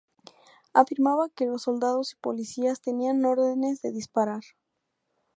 Afirmaba que los soldados y policías tenían órdenes de disparar.